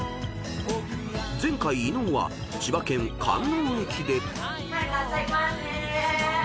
［前回伊野尾は千葉県観音駅で］